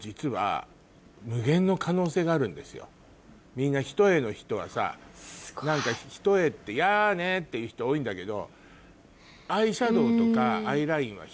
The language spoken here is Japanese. みんな一重の人はさ「一重ってやね」って言う人多いんだけど。